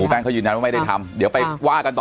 แป้งเขายืนยันว่าไม่ได้ทำเดี๋ยวไปว่ากันต่อ